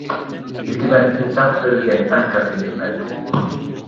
ھېكمەت ئىنسانغا بېرىلگەن ئەڭ كاتتا نېمەت.